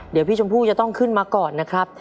เดี๋ยวพี่ชมพู่จะต้องขึ้นมาก่อนนะครับ